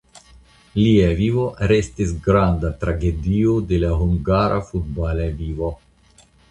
Lia vivo restis granda tragedio de la hungara futbala vivo.